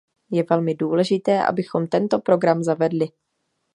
Je velmi důležité, abychom tento program zavedli.